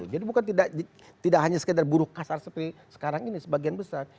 jadi bukan tidak hanya sekedar buruh kasar seperti sekarang ini sebagian besar